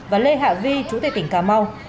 và lê hạ vi chú tại tỉnh cà mau